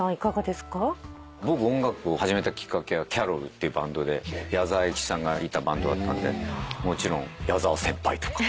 僕音楽を始めたきっかけはキャロルっていうバンドで矢沢永吉さんがいたバンドだったんでもちろん矢沢先輩とか。